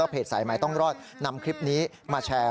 เพจสายใหม่ต้องรอดนำคลิปนี้มาแชร์